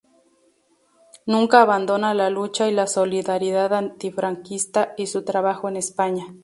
Nunca abandona la lucha y la solidaridad antifranquista y su trabajo en España.